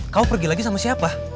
kau pergi lagi sama siapa